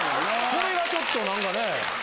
それがちょっと何かね。